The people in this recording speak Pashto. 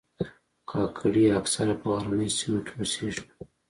کاکړي اکثره په غرنیو سیمو کې اوسیږي.